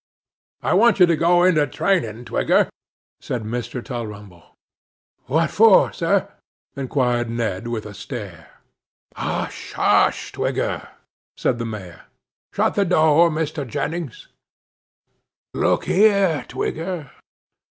'I want you to go into training, Twigger,' said Mr. Tulrumble. 'What for, sir?' inquired Ned, with a stare. 'Hush, hush, Twigger!' said the Mayor. 'Shut the door, Mr. Jennings. Look here, Twigger.